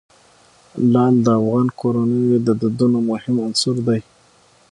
لعل د افغان کورنیو د دودونو مهم عنصر دی.